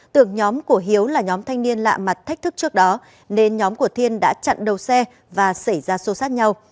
tưởng nhóm của hiếu là nhóm thanh niên lạ mặt thách thức trước đó nên nhóm của thiên đã chặn đầu xe và xảy ra xô sát nhau